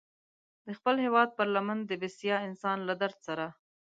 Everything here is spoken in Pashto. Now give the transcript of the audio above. د خپل هېواد پر لمن د بسیا انسان له درد سره.